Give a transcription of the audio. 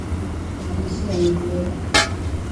Malisho yenye miiba